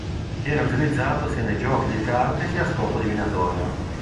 Viene utilizzato sia nei giochi di carte sia a scopo divinatorio.